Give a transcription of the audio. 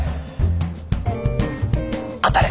当たれ！